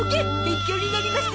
勉強になります。